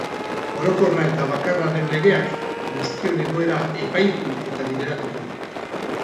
Orokorra eta bakarra den legeak, guztion egoera epaitu eta bideratuko du.